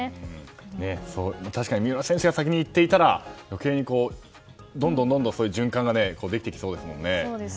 確かに三浦選手が先に行っていたらどんどん循環ができてきそうですね。